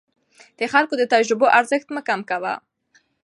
د خلکو د تجربو ارزښت مه کم کوه.